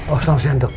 oh selamat siang dok